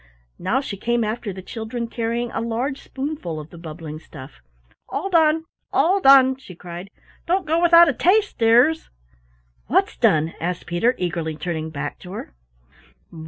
Now she came after the children carrying a large spoonful of the bubbling stuff. "All done, all done," she cried. "Don't go without a taste, dears." "What's done?" asked Peter, eagerly turning back to her.